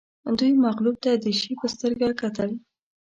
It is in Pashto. دوی مغلوب ته د شي په سترګه کتل